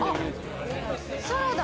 サラダ？